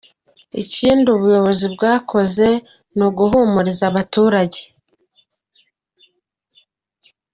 Ikindi ubuyobozi bwakozwe ni uguhumuriza abaturage.